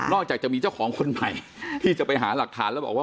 จากจะมีเจ้าของคนใหม่ที่จะไปหาหลักฐานแล้วบอกว่า